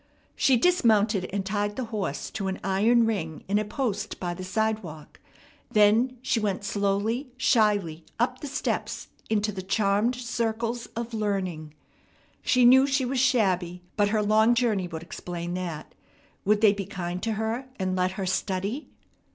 She dismounted, and tied the horse to an iron ring in a post by the sidewalk. Then she went slowly, shyly up the steps into the charmed circles of learning. She knew she was shabby, but her long journey would explain that. Would they be kind to her, and let her study?